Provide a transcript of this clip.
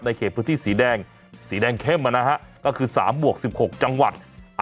ในเขตพฤติสีแดงสีแดงเข้มมานะฮะก็คือ๓บวก๑๖จังหวัด